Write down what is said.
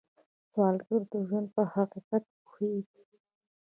سوالګر د ژوند پر حقیقت پوهېږي